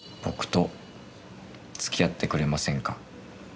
僕と付き合ってくれませんか？